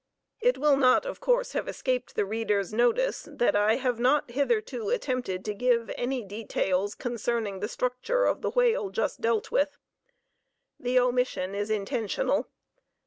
It will not, of course, have escaped the reader's notice that I have not hitherto attempted to give any details concerning the structure of the whale just dealt with. The omission is intentional.